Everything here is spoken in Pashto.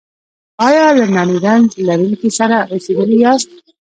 ایا له نري رنځ لرونکي سره اوسیدلي یاست؟